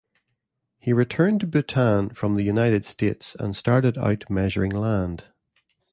He returned to Bhutan from the United States and started out measuring land.